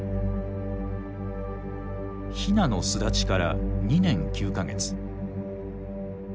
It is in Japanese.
ヒナの巣立ちから２年９か月。